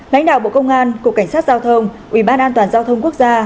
lãnh đạo bộ công an cục cảnh sát giao thông uban an toàn giao thông quốc gia